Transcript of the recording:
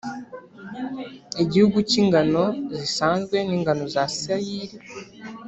igihugu cy’ingano zisanzwe n’ingano za sayiri,